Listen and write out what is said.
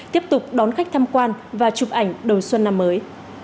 tiếp tục đón khách tham quan và chụp ảnh đầu xuân năm mới